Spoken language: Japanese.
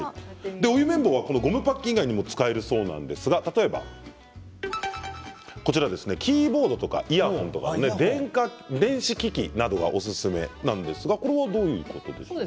お湯綿棒はゴムパッキン以外にも使えるそうで、例えばキーボードやイヤホン電子機器などがおすすめなんですがこれはどういうことですか？